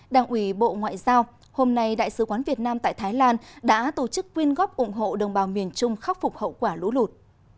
đảng ủy bộ ngoại giao hôm nay đại sứ quán việt nam tại thái lan đã tổ chức quyên góp ủng hộ đồng bào miền trung khắc phục hậu quả lũ lụt